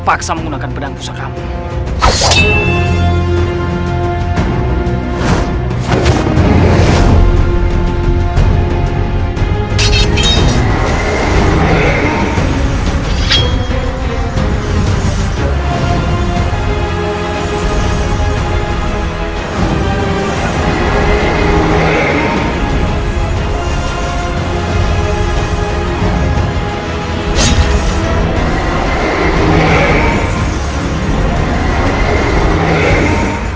pertamuan ini seperti jika dia dilihat begitu